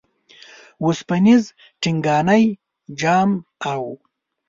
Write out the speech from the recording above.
وسپنیز ټنګانی جام او